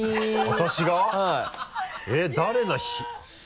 私が。